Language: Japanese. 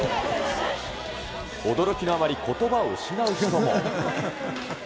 驚きのあまり、ことばを失う人も。